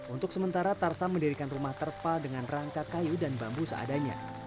untuk sementara tarsam mendirikan rumah terpal dengan rangka kayu dan bambu seadanya